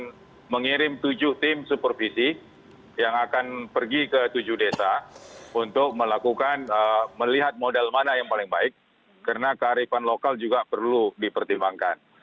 kita akan mengirim tujuh tim supervisi yang akan pergi ke tujuh desa untuk melakukan melihat model mana yang paling baik karena kearifan lokal juga perlu dipertimbangkan